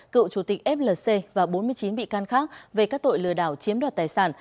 cựu chủ tịch flc và bốn mươi chín bị can khác về các tội lừa đảo chiếm đoạt tài sản